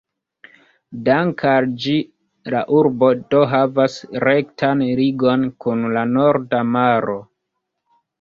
Dank'al ĝi la urbo do havas rektan ligon kun la Norda Maro.